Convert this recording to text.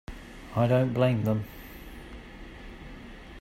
I don't blame them.